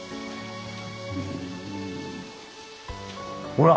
ほら！